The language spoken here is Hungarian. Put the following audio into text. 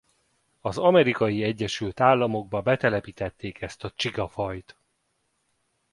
Az Amerikai Egyesült Államokba betelepítették ezt a csigafajt.